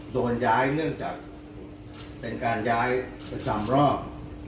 โดนย้ายเนื่องจากเป็นการย้ายประจำรอบ